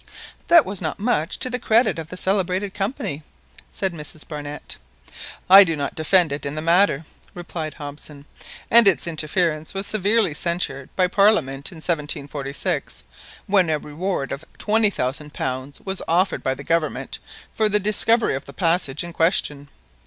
"That was not much to the credit of the celebrated Company," said Mrs Barnett. "I do not defend it in the matter," replied Hobson; "and its interference was severely censured by Parliament in 1746, when a reward of £20,000 was offered by the Government for the discovery of the passage in question.